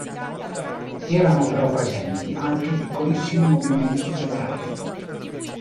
Erano però presenti anche piccolissimi movimenti federati.